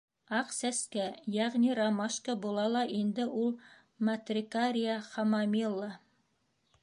— Аҡ сәскә, йәғни ромашка була ла инде ул Матрикариа Хамомилла.